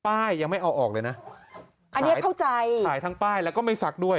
ยังไม่เอาออกเลยนะอันเนี้ยเข้าใจถ่ายทั้งป้ายแล้วก็ไม่ซักด้วย